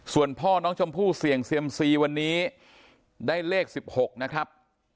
ส่วนพ่อน้องชมพู่เสี่ยงเซียมซีวันนี้ได้เลข๑๖นะครับ